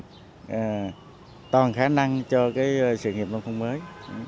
tập trung toàn khả năng cho sự nghiệp nông thôn mới